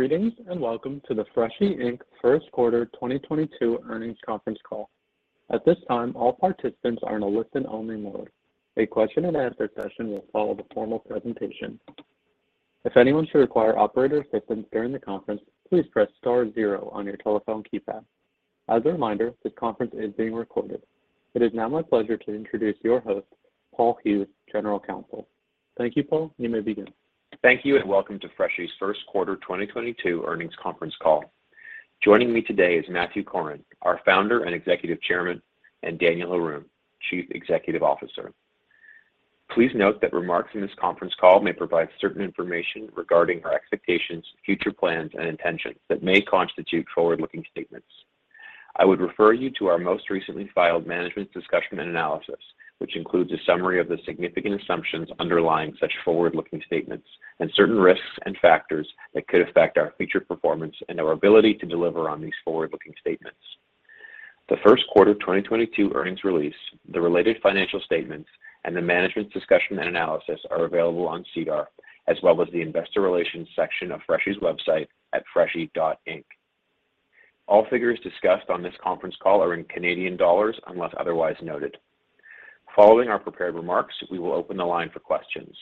Greetings, and welcome to the Freshii Inc. first quarter 2022 earnings conference call. At this time, all participants are in a listen only mode. A question and answer session will follow the formal presentation. If anyone should require operator assistance during the conference, please press star zero on your telephone keypad. As a reminder, this conference is being recorded. It is now my pleasure to introduce your host, Paul Hughes, General Counsel. Thank you, Paul. You may begin. Thank you, and welcome to Freshii's first quarter 2022 earnings conference call. Joining me today is Matthew Corrin, our founder and executive chairman, and Daniel Haroun, Chief Executive Officer. Please note that remarks in this conference call may provide certain information regarding our expectations, future plans and intentions that may constitute forward-looking statements. I would refer you to our most recently filed management's discussion and analysis, which includes a summary of the significant assumptions underlying such forward-looking statements and certain risks and factors that could affect our future performance and our ability to deliver on these forward-looking statements. The first quarter 2022 earnings release, the related financial statements and the management's discussion and analysis are available on SEDAR, as well as the investor relations section of Freshii's website at freshii.inc. All figures discussed on this conference call are in Canadian dollars, unless otherwise noted. Following our prepared remarks, we will open the line for questions.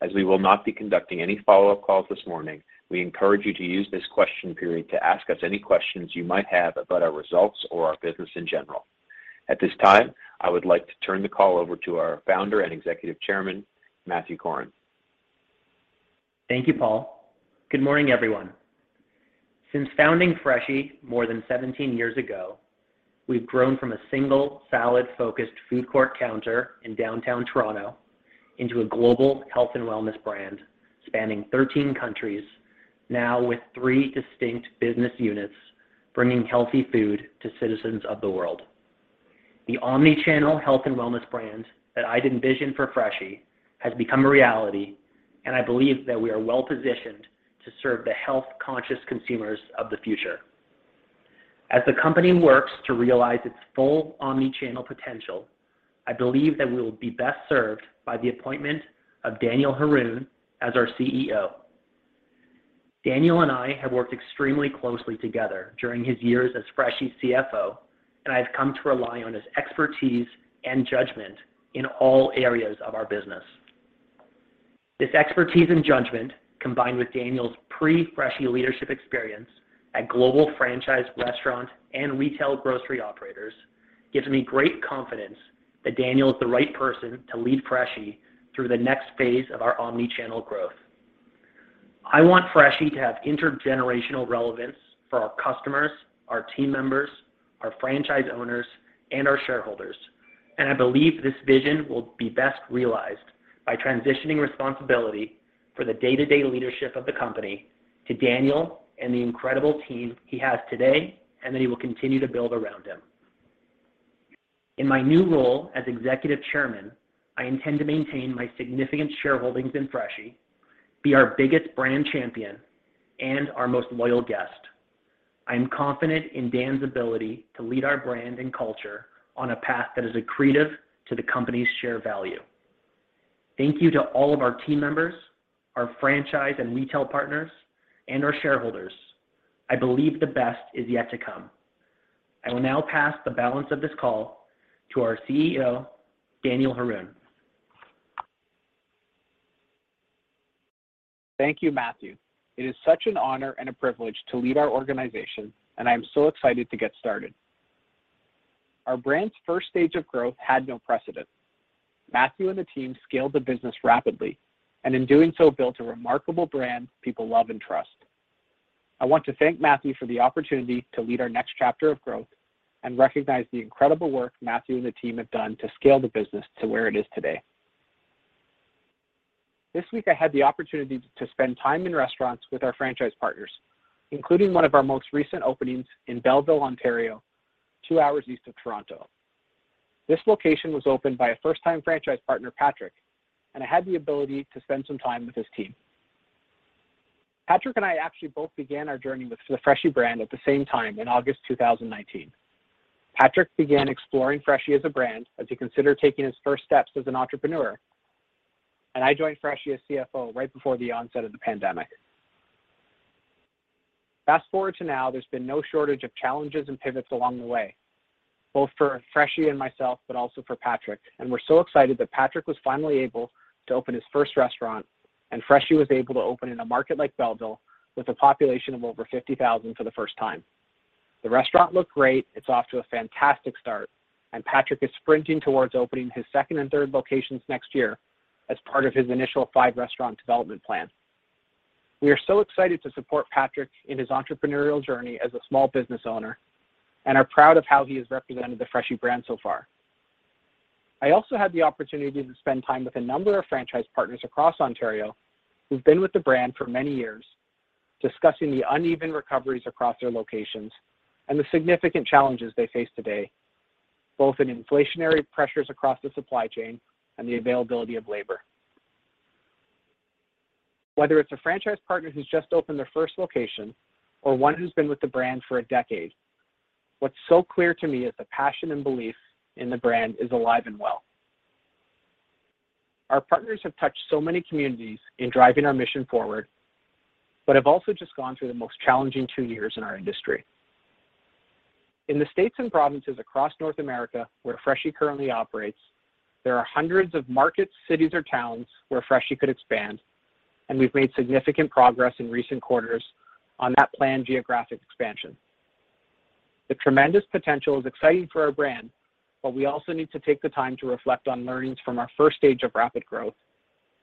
As we will not be conducting any follow-up calls this morning, we encourage you to use this question period to ask us any questions you might have about our results or our business in general. At this time, I would like to turn the call over to our Founder and Executive Chairman, Matthew Corrin. Thank you, Paul. Good morning, everyone. Since founding Freshii more than 17 years ago, we've grown from a single salad-focused food court counter in downtown Toronto into a global health and wellness brand spanning 13 countries, now with three distinct business units bringing healthy food to citizens of the world. The omni-channel health and wellness brand that I'd envisioned for Freshii has become a reality, and I believe that we are well-positioned to serve the health-conscious consumers of the future. As the company works to realize its full omni-channel potential, I believe that we will be best served by the appointment of Daniel Haroun as our CEO. Daniel and I have worked extremely closely together during his years as Freshii's CFO, and I've come to rely on his expertise and judgment in all areas of our business. This expertise and judgment, combined with Daniel's pre-Freshii leadership experience at global franchise restaurant and retail grocery operators, gives me great confidence that Daniel is the right person to lead Freshii through the next phase of our omnichannel growth. I want Freshii to have intergenerational relevance for our customers, our team members, our franchise owners, and our shareholders, and I believe this vision will be best realized by transitioning responsibility for the day-to-day leadership of the company to Daniel and the incredible team he has today and that he will continue to build around him. In my new role as executive chairman, I intend to maintain my significant shareholdings in Freshii, be our biggest brand champion, and our most loyal guest. I am confident in Dan's ability to lead our brand and culture on a path that is accretive to the company's share value. Thank you to all of our team members, our franchise and retail partners, and our shareholders. I believe the best is yet to come. I will now pass the balance of this call to our CEO, Daniel Haroun. Thank you, Matthew. It is such an honor and a privilege to lead our organization, and I am so excited to get started. Our brand's first stage of growth had no precedent. Matthew and the team scaled the business rapidly, and in doing so, built a remarkable brand people love and trust. I want to thank Matthew for the opportunity to lead our next chapter of growth and recognize the incredible work Matthew and the team have done to scale the business to where it is today. This week, I had the opportunity to spend time in restaurants with our franchise partners, including one of our most recent openings in Belleville, Ontario, two hours east of Toronto. This location was opened by a first-time franchise partner, Patrick, and I had the ability to spend some time with his team. Patrick and I actually both began our journey with the Freshii brand at the same time in August 2019. Patrick began exploring Freshii as a brand as he considered taking his first steps as an entrepreneur, and I joined Freshii as CFO right before the onset of the pandemic. Fast-forward to now, there's been no shortage of challenges and pivots along the way, both for Freshii and myself, but also for Patrick. We're so excited that Patrick was finally able to open his first restaurant and Freshii was able to open in a market like Belleville with a population of over 50,000 for the first time. The restaurant looked great. It's off to a fantastic start, and Patrick is sprinting towards opening his second and third locations next year as part of his initial 5-restaurant development plan. We are so excited to support Patrick in his entrepreneurial journey as a small business owner and are proud of how he has represented the Freshii brand so far. I also had the opportunity to spend time with a number of franchise partners across Ontario who've been with the brand for many years, discussing the uneven recoveries across their locations and the significant challenges they face today, both in inflationary pressures across the supply chain and the availability of labor. Whether it's a franchise partner who's just opened their first location or one who's been with the brand for a decade, what's so clear to me is the passion and belief in the brand is alive and well. Our partners have touched so many communities in driving our mission forward, but have also just gone through the most challenging two years in our industry. In the states and provinces across North America where Freshii currently operates, there are hundreds of markets, cities or towns where Freshii could expand, and we've made significant progress in recent quarters on that planned geographic expansion. The tremendous potential is exciting for our brand, but we also need to take the time to reflect on learnings from our first stage of rapid growth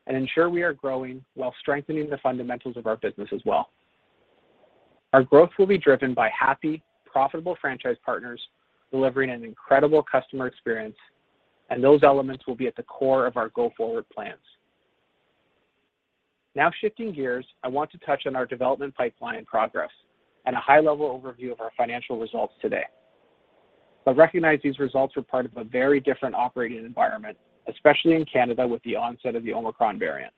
and ensure we are growing while strengthening the fundamentals of our business as well. Our growth will be driven by happy, profitable franchise partners delivering an incredible customer experience, and those elements will be at the core of our go-forward plans. Now shifting gears, I want to touch on our development pipeline progress and a high-level overview of our financial results today. Recognize these results were part of a very different operating environment, especially in Canada, with the onset of the Omicron variant.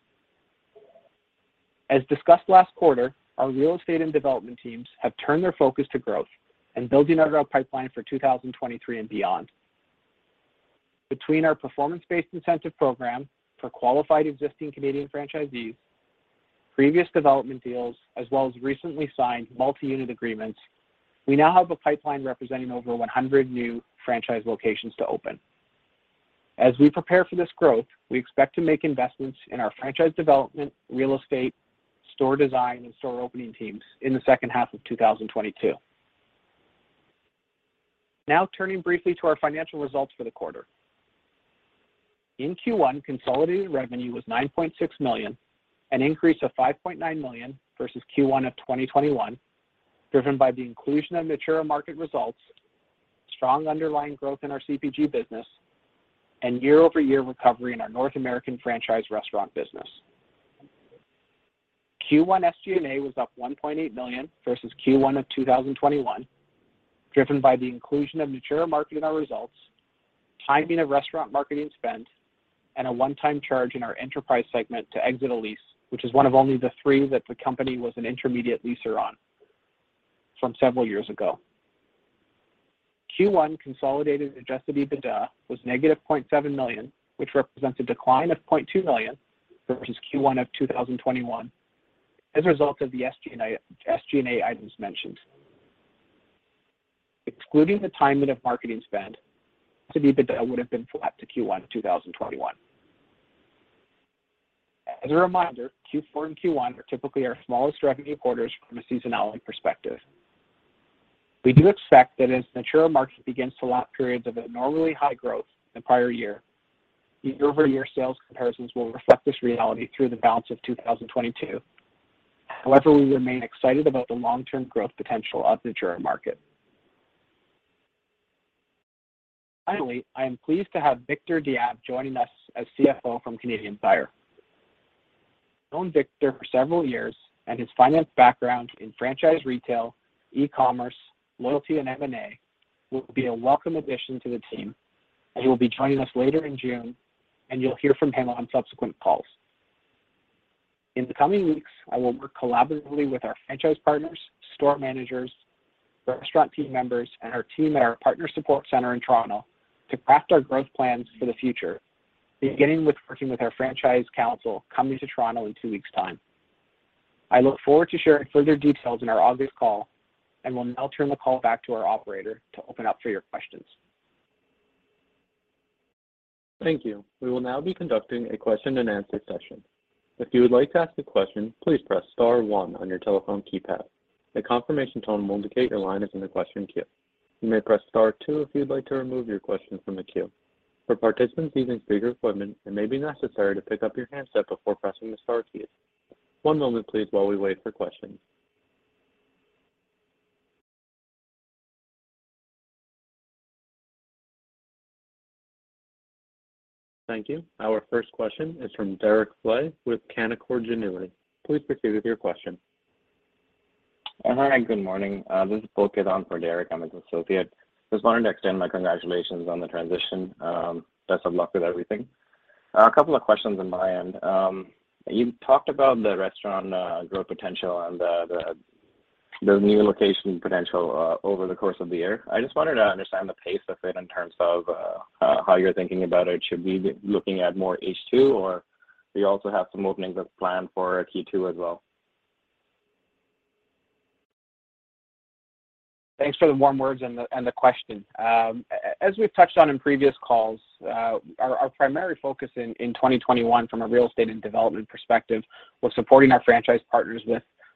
As discussed last quarter, our real estate and development teams have turned their focus to growth and building out our pipeline for 2023 and beyond. Between our performance-based incentive program for qualified existing Canadian franchisees, previous development deals, as well as recently signed multi-unit agreements, we now have a pipeline representing over 100 new franchise locations to open. As we prepare for this growth, we expect to make investments in our franchise development, real estate, store design, and store opening teams in the second half of 2022. Now turning briefly to our financial results for the quarter. In Q1, consolidated revenue was 9.6 million, an increase of 5.9 million versus Q1 of 2021, driven by the inclusion of Natura Market results, strong underlying growth in our CPG business, and year-over-year recovery in our North American franchise restaurant business. Q1 SG&A was up 1.8 million versus Q1 of 2021, driven by the inclusion of Natura Market in our results, timing of restaurant marketing spend, and a one-time charge in our enterprise segment to exit a lease, which is one of only the three that the company was an intermediate leaser on from several years ago. Q1 consolidated adjusted EBITDA was negative 0.7 million, which represents a decline of 0.2 million versus Q1 of 2021 as a result of the SG&A items mentioned. Excluding the timing of marketing spend, adjusted EBITDA would have been flat to Q1 2021. As a reminder, Q4 and Q1 are typically our smallest revenue quarters from a seasonality perspective. We do expect that as Natura Market begins to lap periods of abnormally high growth in the prior year-over-year sales comparisons will reflect this reality through the balance of 2022. However, we remain excited about the long-term growth potential of Natura Market. Finally, I am pleased to have Victor Diab joining us as CFO from Canadian Tire. I've known Victor for several years, and his finance background in franchise retail, e-commerce, loyalty, and M&A will be a welcome addition to the team, as he will be joining us later in June and you'll hear from him on subsequent calls. In the coming weeks, I will work collaboratively with our franchise partners, store managers, restaurant team members, and our team at our partner support center in Toronto to craft our growth plans for the future, beginning with working with our franchise council coming to Toronto in two weeks' time. I look forward to sharing further details in our August call and will now turn the call back to our operator to open up for your questions. Thank you. We will now be conducting a question and answer session. If you would like to ask a question, please press star one on your telephone keypad. A confirmation tone will indicate your line is in the question queue. You may press star two if you'd like to remove your question from the queue. For participants using speaker phone, it may be necessary to pick up your handset before pressing the star key. One moment please while we wait for questions. Thank you. Our first question is from Derek Dley with Canaccord Genuity. Please proceed with your question. Hi, good morning. This is Pulkit on for Derek. I'm his associate. Just wanted to extend my congratulations on the transition. Best of luck with everything. A couple of questions on my end. You talked about the restaurant growth potential and the new location potential over the course of the year. I just wanted to understand the pace of it in terms of how you're thinking about it. Should we be looking at more H2 or do you also have some openings that's planned for Q2 as well? Thanks for the warm words and the question. As we've touched on in previous calls, our primary focus in 2021 from a real estate and development perspective was supporting our franchise partners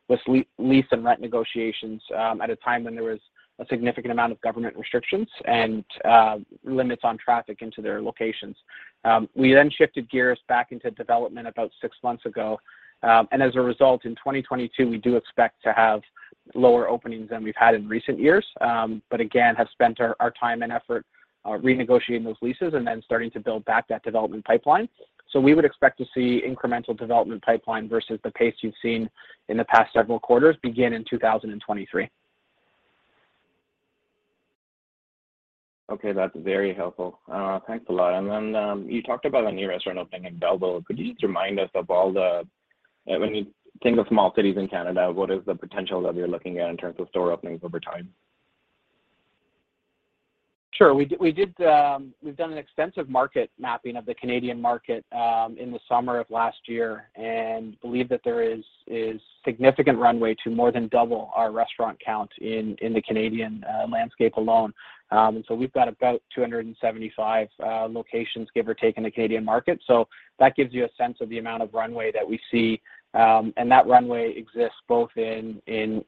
with lease and rent negotiations, at a time when there was a significant amount of government restrictions and limits on traffic into their locations. We then shifted gears back into development about six months ago, and as a result, in 2022 we do expect to have lower openings than we've had in recent years, but again have spent our time and effort renegotiating those leases and then starting to build back that development pipeline. We would expect to see incremental development pipeline versus the pace you've seen in the past several quarters begin in 2023. Okay, that's very helpful. Thanks a lot. You talked about a new restaurant opening in Belleville. When you think of small cities in Canada, what is the potential that you're looking at in terms of store openings over time? Sure. We've done an extensive market mapping of the Canadian market in the summer of last year, and believe that there is significant runway to more than double our restaurant count in the Canadian landscape alone. We've got about 275 locations, give or take, in the Canadian market. That gives you a sense of the amount of runway that we see, and that runway exists both in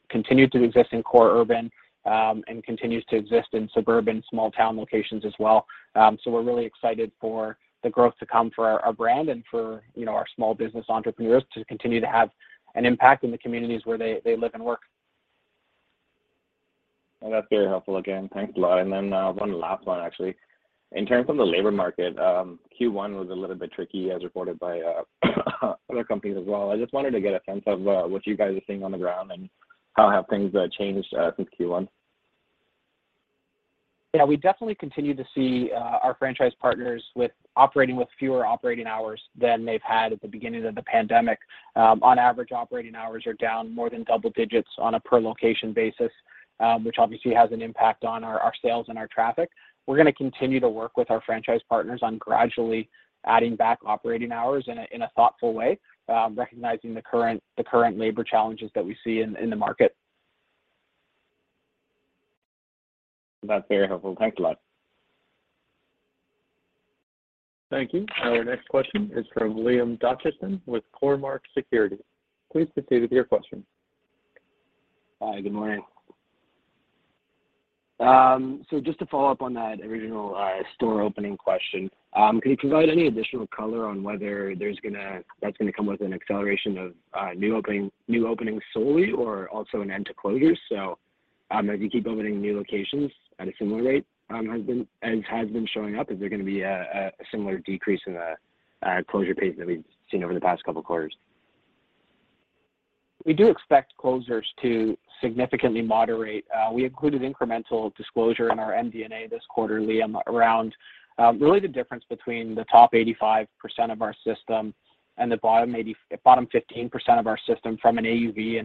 continues to exist in core urban and continues to exist in suburban small town locations as well. We're really excited for the growth to come for our brand and for, you know, our small business entrepreneurs to continue to have an impact in the communities where they live and work. That's very helpful again. Thanks a lot. One last one actually. In terms of the labor market, Q1 was a little bit tricky as reported by other companies as well. I just wanted to get a sense of what you guys are seeing on the ground, and how have things changed since Q1? Yeah, we definitely continue to see our franchise partners operating with fewer operating hours than they've had at the beginning of the pandemic. On average, operating hours are down more than double digits on a per location basis, which obviously has an impact on our sales and our traffic. We're gonna continue to work with our franchise partners on gradually adding back operating hours in a thoughtful way, recognizing the current labor challenges that we see in the market. That's very helpful. Thanks a lot. Thank you. Our next question is from Liam Cuthbertson with Cormark Securities. Please proceed with your question. Hi, good morning. Just to follow up on that original store opening question, can you provide any additional color on whether that's gonna come with an acceleration of new openings solely, or also an end to closures? As you keep opening new locations at a similar rate as has been showing up, is there gonna be a similar decrease in the closure pace that we've seen over the past couple quarters? We do expect closures to significantly moderate. We included incremental disclosure in our MD&A this quarter, Liam, around really the difference between the top 85% of our system and the bottom 15% of our system from an AUV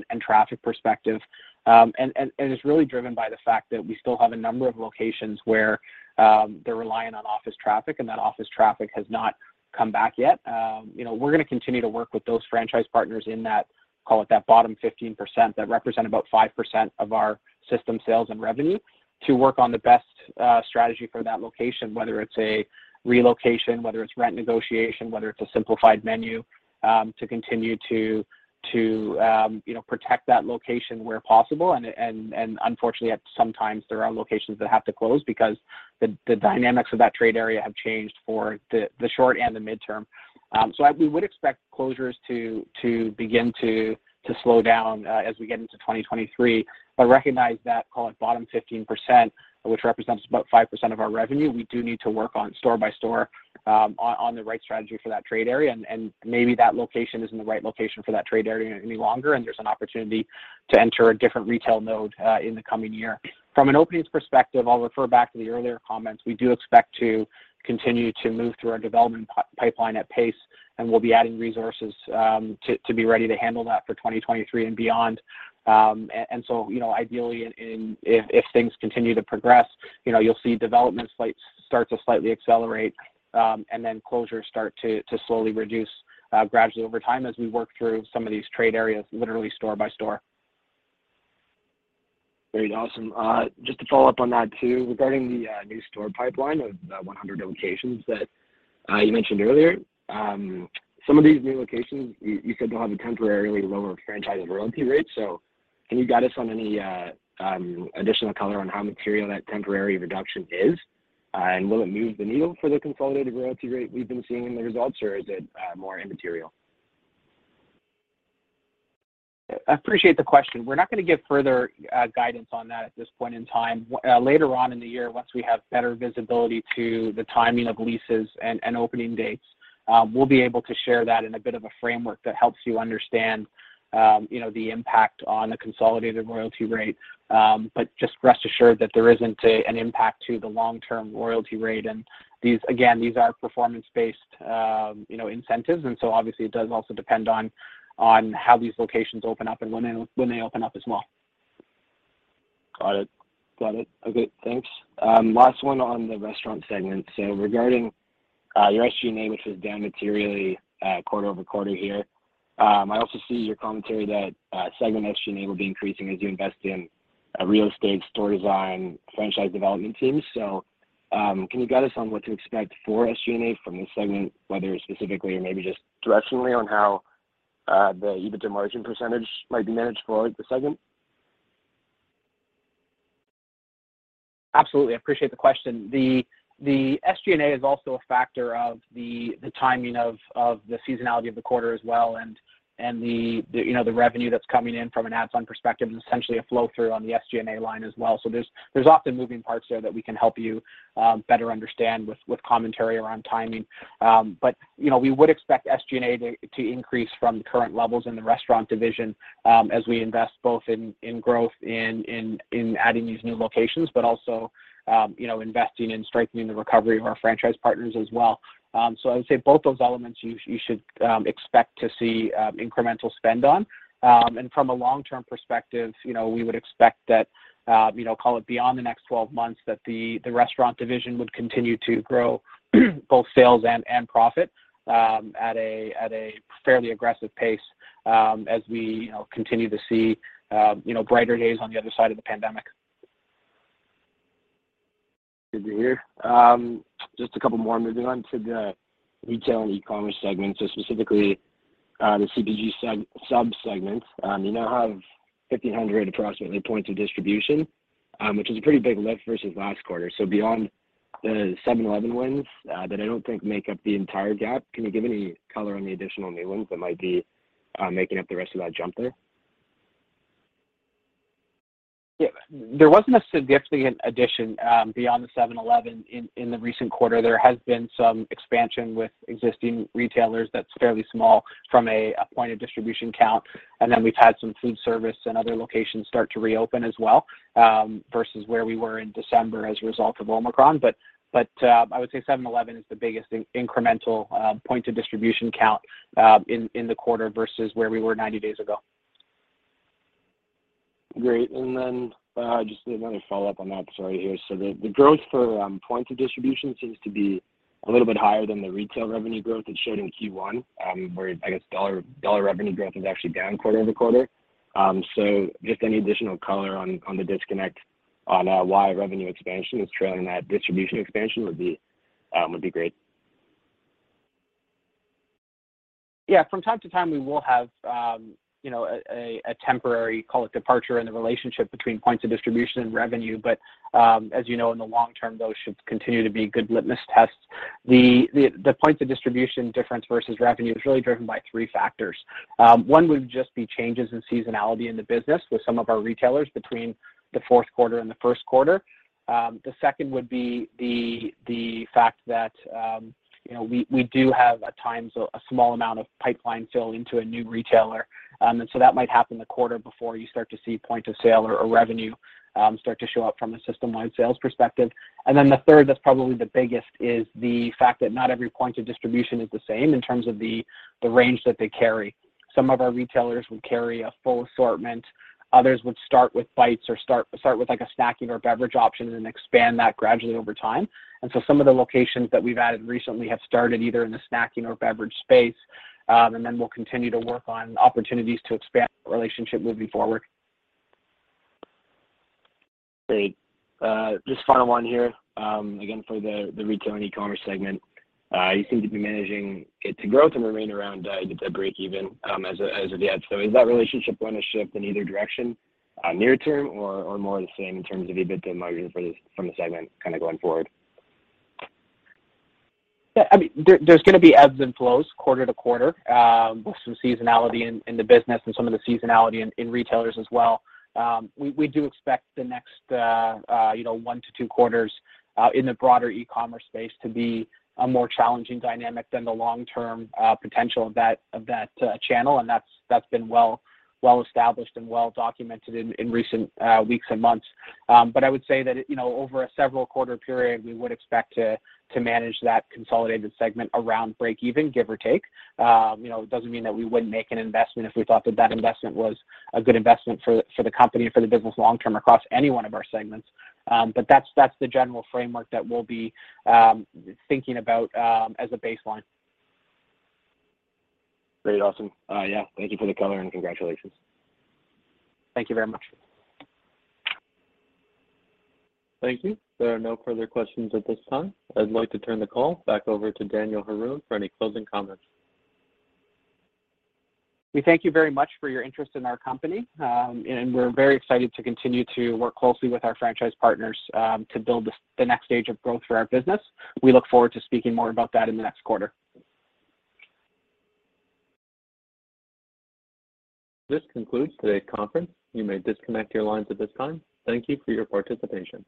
and it's really driven by the fact that we still have a number of locations where they're reliant on office traffic, and that office traffic has not come back yet. You know, we're gonna continue to work with those franchise partners in that, call it that bottom 15%, that represent about 5% of our system sales and revenue, to work on the best strategy for that location, whether it's a relocation, whether it's rent negotiation, whether it's a simplified menu, to continue to you know, protect that location where possible. Unfortunately, sometimes there are locations that have to close because the dynamics of that trade area have changed for the short and the midterm. We would expect closures to begin to slow down as we get into 2023. Recognize that, call it bottom 15%, which represents about 5% of our revenue, we do need to work on store by store on the right strategy for that trade area, and maybe that location isn't the right location for that trade area any longer, and there's an opportunity to enter a different retail node in the coming year. From an openings perspective, I'll refer back to the earlier comments. We do expect to continue to move through our development pipeline at pace, and we'll be adding resources to be ready to handle that for 2023 and beyond. You know, ideally if things continue to progress, you know, you'll see development sites start to slightly accelerate, and then closures start to slowly reduce gradually over time as we work through some of these trade areas, literally store by store. Great. Awesome. Just to follow up on that too, regarding the new store pipeline of about 100 locations that you mentioned earlier, some of these new locations, you said they'll have a temporarily lower franchise royalty rate. Can you guide us on any additional color on how material that temporary reduction is? And will it move the needle for the consolidated royalty rate we've been seeing in the results, or is it more immaterial? I appreciate the question. We're not gonna give further guidance on that at this point in time. Later on in the year once we have better visibility to the timing of leases and opening dates, we'll be able to share that in a bit of a framework that helps you understand, you know, the impact on the consolidated royalty rate. But just rest assured that there isn't an impact to the long-term royalty rate. These, again, these are performance-based, you know, incentives, and so obviously it does also depend on how these locations open up and when they open up as well. Got it. Okay, thanks. Last one on the restaurant segment. Regarding your SG&A, which is down materially, quarter-over-quarter here, I also see your commentary that segment SG&A will be increasing as you invest in a real estate store design franchise development team. Can you guide us on what to expect for SG&A from this segment, whether specifically or maybe just directionally, on how the EBITDA margin percentage might be managed for the segment? Absolutely. I appreciate the question. The SG&A is also a factor of the timing of the seasonality of the quarter as well, and you know, the revenue that's coming in from an add-on perspective, and essentially a flow-through on the SG&A line as well. There's often moving parts there that we can help you better understand with commentary around timing. You know, we would expect SG&A to increase from current levels in the restaurant division, as we invest both in growth, in adding these new locations, but also you know, investing in strengthening the recovery of our franchise partners as well. I would say both those elements you should expect to see incremental spend on. From a long-term perspective, you know, we would expect that, you know, call it beyond the next 12 months, that the restaurant division would continue to grow both sales and profit at a fairly aggressive pace, as we, you know, continue to see, you know, brighter days on the other side of the pandemic. Good to hear. Just a couple more. Moving on to the retail and e-commerce segment, so specifically, the CPG subsegment. You now have approximately 1,500 points of distribution, which is a pretty big lift versus last quarter. Beyond the 7-Eleven wins, that I don't think make up the entire gap, can you give any color on the additional new ones that might be making up the rest of that jump there? Yeah. There wasn't a significant addition beyond the 7-Eleven in the recent quarter. There has been some expansion with existing retailers that's fairly small from a point of distribution count, and then we've had some food service and other locations start to reopen as well versus where we were in December as a result of Omicron. I would say 7-Eleven is the biggest incremental point of distribution count in the quarter versus where we were 90 days ago. Great. Just another follow-up on that story here. The growth for point of distribution seems to be a little bit higher than the retail revenue growth it showed in Q1, where I guess dollar revenue growth is actually down quarter-over-quarter. Just any additional color on the disconnect on why revenue expansion is trailing that distribution expansion would be great. Yeah. From time to time we will have, you know, a temporary, call it departure in the relationship between points of distribution and revenue. As you know, in the long term, those should continue to be good litmus tests. The points of distribution difference versus revenue is really driven by three factors. One would just be changes in seasonality in the business with some of our retailers between the fourth quarter and the first quarter. The second would be the fact that, you know, we do have at times a small amount of pipeline fill into a new retailer. That might happen the quarter before you start to see point of sale or revenue start to show up from a system-wide sales perspective. The third, that's probably the biggest, is the fact that not every point of distribution is the same in terms of the range that they carry. Some of our retailers would carry a full assortment, others would start with bites or start with like a snacking or beverage option and expand that gradually over time. Some of the locations that we've added recently have started either in the snacking or beverage space, and then we'll continue to work on opportunities to expand the relationship moving forward. Great. Just final one here, again, for the retail and e-commerce segment. You seem to be managing it to growth and remain around the breakeven, as of yet. Is that relationship gonna shift in either direction, near term or more of the same in terms of EBITDA margin from the segment kinda going forward? Yeah. I mean, there's gonna be ebbs and flows quarter to quarter, with some seasonality in the business and some of the seasonality in retailers as well. We do expect the next, you know, 1 to 2 quarters, in the broader e-commerce space to be a more challenging dynamic than the long-term potential of that channel, and that's been well-established and well-documented in recent weeks and months. But I would say that, you know, over a several quarter period, we would expect to manage that consolidated segment around breakeven, give or take. You know, it doesn't mean that we wouldn't make an investment if we thought that that investment was a good investment for the company and for the business long term across any one of our segments. That's the general framework that we'll be thinking about as a baseline. Great. Awesome. Yeah, thank you for the color and congratulations. Thank you very much. Thank you. There are no further questions at this time. I'd like to turn the call back over to Daniel Haroun for any closing comments. We thank you very much for your interest in our company. We're very excited to continue to work closely with our franchise partners, to build the next stage of growth for our business. We look forward to speaking more about that in the next quarter. This concludes today's conference. You may disconnect your lines at this time. Thank you for your participation.